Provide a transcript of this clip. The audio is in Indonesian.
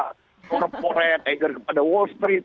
kepulauan anger kepada wall street